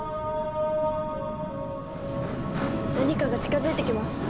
何かが近づいてきます。